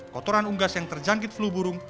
kotoran unggas yang terjangkit flu burung